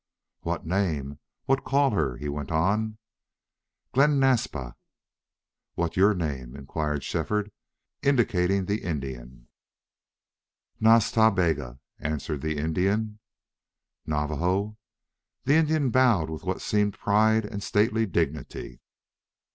"What name what call her?" he went on. "Glen Naspa." "What your name?" inquired Shefford, indicating the Indian. "Nas Ta Bega," answered the Indian. "Navajo?" The Indian bowed with what seemed pride and stately dignity.